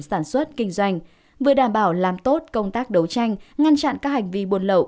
sản xuất kinh doanh vừa đảm bảo làm tốt công tác đấu tranh ngăn chặn các hành vi buôn lậu